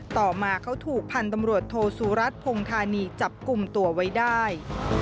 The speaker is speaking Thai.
ต่อมาเขาถูกพันธุ์ตำรวจโทสุรัตนพงธานีจับกลุ่มตัวไว้ได้